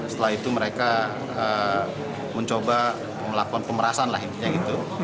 setelah itu mereka mencoba melakukan pemerasan lah intinya gitu